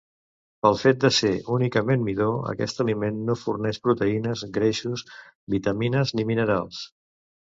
Pel fet de ser únicament midó aquest aliment no forneix proteïnes, greixos, vitamines ni minerals.